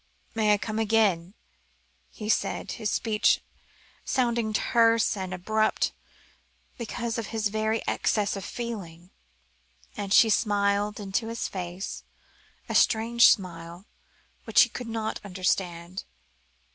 "I may come again?" he said, his speech sounding terse and abrupt, because of his very excess of feeling; and she smiled into his face, a strange smile, which he could not understand.